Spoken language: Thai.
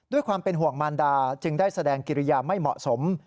ด้วยความเป็นห่วงมารดาจึงได้แสดงกิริยาไม่เหมาะสม